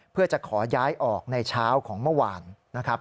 เพื่อจะขอย้ายออกในเช้าของเมื่อวานนะครับ